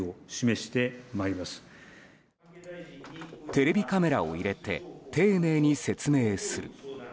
テレビカメラを入れて丁寧に説明する。